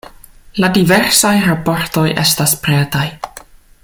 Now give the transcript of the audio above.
La diversaj raportoj estas pretaj!